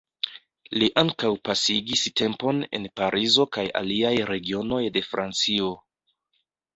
Li ankaŭ pasigis tempon en Parizo kaj aliaj regionoj de Francio.